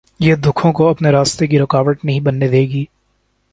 یہ دکھوں کو اپنے راستے کی رکاوٹ نہیں بننے دے گی۔